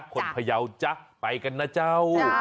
คนพยาวจะไปกันนะจ้าว